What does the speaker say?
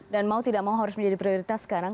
dan mau tidak mau harus menjadi prioritas sekarang